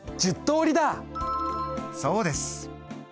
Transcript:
そうです。